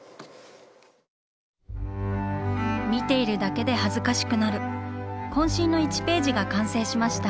見ているだけで恥ずかしくなる渾身の１ページが完成しました。